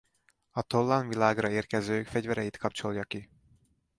A tollan világra érkezők fegyvereit kapcsolja ki.